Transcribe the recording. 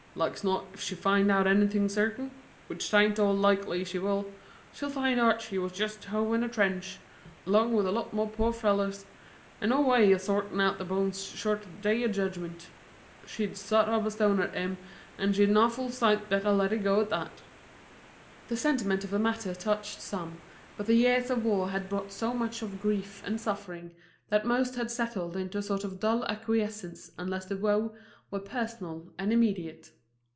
"Like's not 'f she finds out anythin' certain, which 't ain't all likely she will, she'll find Archie was just hove into a trench 'long with a lot more poor fellers, an' no way o' sortin' out their bones short o' the Day o' Judgment. She'd sot up a stone to him, 'n' she'd a nawful sight better let it go at that." The sentiment of the matter touched some, but the years of war had brought so much of grief and suffering that most had settled into a sort of dull acquiescence unless the woe were personal and immediate.